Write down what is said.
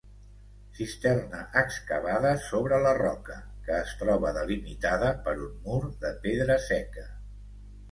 Cisterna excavada sobre la roca, que es troba delimitada per un mur de pedra seca.